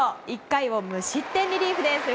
１回を無失点リリーフです。